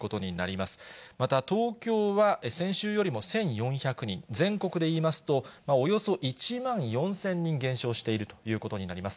また、東京は先週よりも１４００人、全国で言いますと、およそ１万４０００人減少しているということになります。